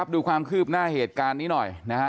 ดูความคืบหน้าเหตุการณ์นี้หน่อยนะฮะ